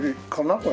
これ。